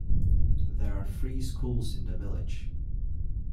There are three schools in the village.